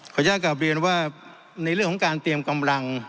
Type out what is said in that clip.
อนุญาตกลับเรียนว่าในเรื่องของการเตรียมกำลัง